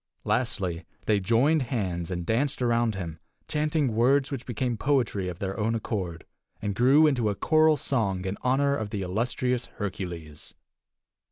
Lastly, they joined hands and danced around him, chanting words which became poetry of their own accord, and grew into a choral song in honor of the illustrious Hercules.